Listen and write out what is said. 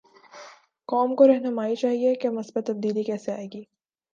قوم کوراہنمائی چاہیے کہ مثبت تبدیلی کیسے آئے گی؟